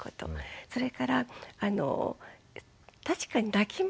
それから確かに泣きます。